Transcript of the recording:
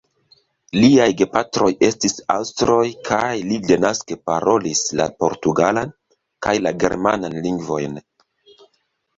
Liaj gepatroj estis aŭstroj kaj li denaske parolis la portugalan kaj la germanan lingvojn.